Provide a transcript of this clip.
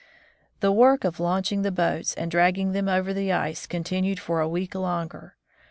The work of launching the boats and dragging them over the ice continued for a week longer.